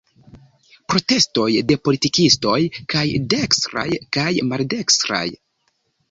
Protestoj de politikistoj, kaj dekstraj kaj maldekstraj.